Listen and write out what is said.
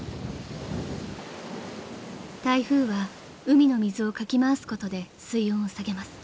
［台風は海の水をかき回すことで水温を下げます］